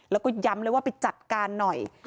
แล้วก็ย้ำเลยว่าไปจัดการหน่อย